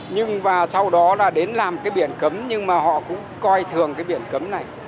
nhưng và sau đó là đến làm cái biển cấm nhưng mà họ cũng coi thường cái biển cấm này